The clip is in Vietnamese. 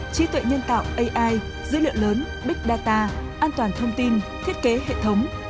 trí tuệ nhân tạo ai dữ liệu lớn big data an toàn thông tin thiết kế hệ thống